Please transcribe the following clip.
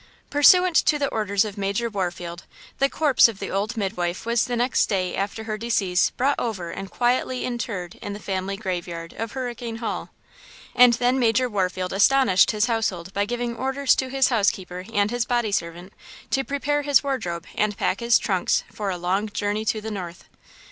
PURSUANT to the orders of Major Warfield, the corpse of the old midwife was the next day after her decease brought over and quietly interred in the family graveyard of Hurricane Hall. And then Major Warfield astonished his household by giving orders to his housekeeper and his body servant to prepare his wardrobe and pack his trunks for a long journey to the north.